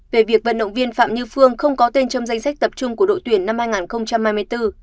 về việc vận động viên phạm như phương không có tên trong danh sách tập trung của đội tuyển năm hai nghìn hai mươi bốn